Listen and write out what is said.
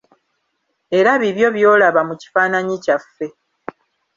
Era bibyo by'olaba mu kifaananyi kyaffe.